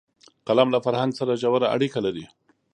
قلم له فرهنګ سره ژوره اړیکه لري